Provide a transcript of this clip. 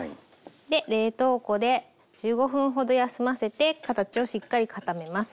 冷凍庫で１５分ほど休ませて形をしっかり固めます。